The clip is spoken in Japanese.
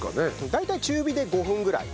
大体中火で５分ぐらい。